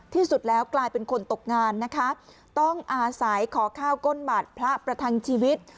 ที่สุดแล้วกลายเป็นคนตกงานนะคะต้องอาศัยขอข้าวก้นบาทพระประทังชีวิต